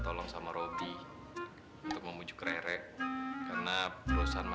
tika di tembes ya